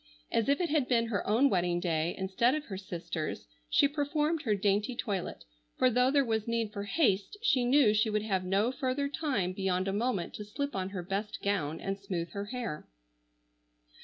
As if it had been her own wedding day instead of her sister's, she performed her dainty toilet, for though there was need for haste, she knew she would have no further time beyond a moment to slip on her best gown and smooth her hair.